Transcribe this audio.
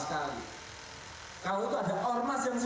tidak boleh dibicarakan lagi